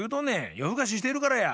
よふかししてるからや。